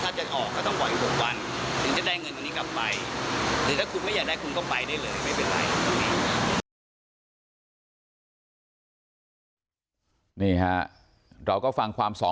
แต่ถ้าอยากจะตีเขาก็ไม่ได้อย่างนี้หรอก